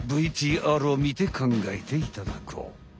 ＶＴＲを見てかんがえていただこう。